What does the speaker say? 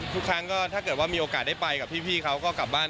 ทุกครั้งก็ถ้าเกิดว่ามีโอกาสได้ไปกับพี่เขาก็กลับบ้าน